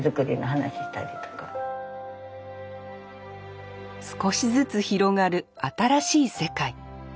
そう少しずつ広がる新しい世界。